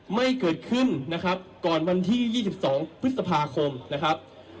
ไม่เกิดขึ้นนะครับก่อนวันที่๒๒พฤษภาคมนะครับ